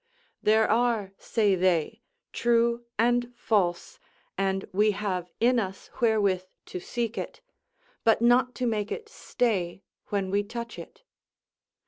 There are, say they, true and false, and we have in us wherewith to seek it; but not to make it stay when we touch it.